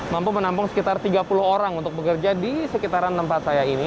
mampu menampung sekitar tiga puluh orang untuk bekerja di sekitaran tempat saya ini